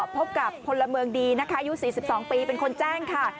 พบกับพลเมืองดีนะคะอายุ๔๒ปีเป็นคนแจ้งค่ะ